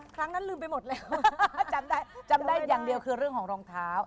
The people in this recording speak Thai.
ครั้งนั้นลืมไปหมดแล้วถ้าจำได้จำได้อย่างเดียวคือเรื่องของรองเท้า